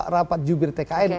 rapat jubir tkn